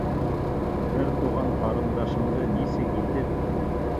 Бер туған ҡарындашымды нисек итеп...